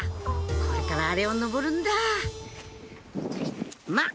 これからあれを上るんだまっ